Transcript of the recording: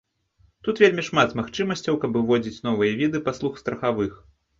Тут вельмі шмат магчымасцяў, каб уводзіць новыя віды паслуг страхавых.